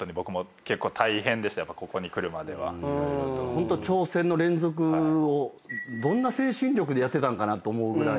ホント挑戦の連続をどんな精神力でやってたのかと思うぐらい。